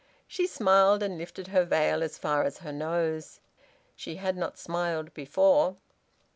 She smiled, and lifted her veil as far as her nose. She had not smiled before.